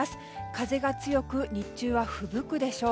風が強く日中はふぶくでしょう。